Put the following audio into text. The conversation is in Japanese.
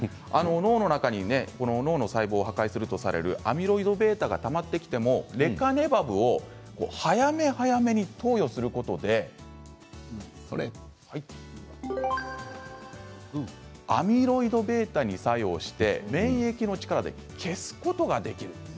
脳の中に脳の細胞を破壊するとされるアミロイドβがたまってきてもレカネマブを早め早めに投与することでアミロイドβに作用して免疫の力で消すことができる。